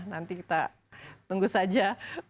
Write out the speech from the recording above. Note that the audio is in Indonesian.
nanti kita tunggu saja